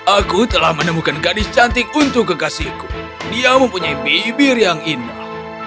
aku telah menemukan gadis cantik untuk kekasihku dia mempunyai bibir yang indah